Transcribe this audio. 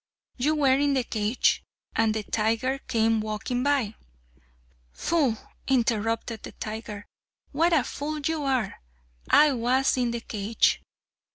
You were in the cage, and the tiger came walking by " "Pooh!" interrupted the tiger, "what a fool you are! I was in the cage."